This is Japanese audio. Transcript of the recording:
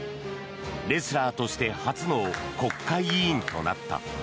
レスラーとして初の国会議員となった。